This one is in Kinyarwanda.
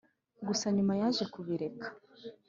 gusa nyuma yaje kubireka